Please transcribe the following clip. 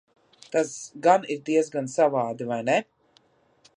Tas gan ir diezgan savādi, vai ne?